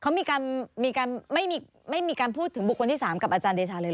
เขาไม่มีการพูดถึงบุคคลที่๓กับอาจารย์เดชาฟังไหม